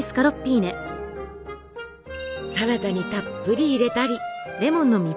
サラダにたっぷり入れたり。